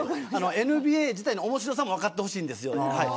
ＮＢＡ自体の面白さも分かってほしいです。